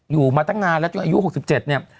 อยู่มาตั้งนานแล้วจนอายุ๖๗เนี่ย